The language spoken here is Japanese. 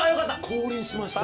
降臨しました。